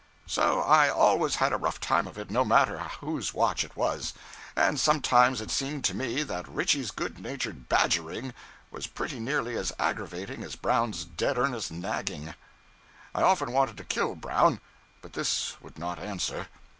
So I always had a rough time of it, no matter whose watch it was; and sometimes it seemed to me that Ritchie's good natured badgering was pretty nearly as aggravating as Brown's dead earnest nagging. I often wanted to kill Brown, but this would not answer.